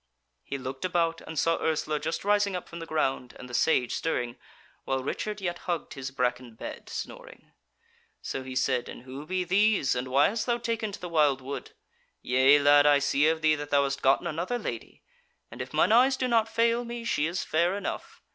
He looked about, and saw Ursula just rising up from the ground and the Sage stirring, while Richard yet hugged his bracken bed, snoring. So he said: "And who be these, and why hast thou taken to the wildwood? Yea lad, I see of thee, that thou hast gotten another Lady; and if mine eyes do not fail me she is fair enough.